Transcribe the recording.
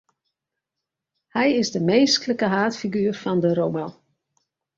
Hy is de minsklike haadfiguer fan de roman.